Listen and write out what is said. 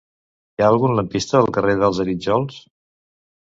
Hi ha algun lampista al carrer dels Arítjols?